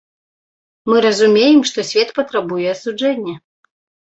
Мы разумеем, што свет патрабуе асуджэння.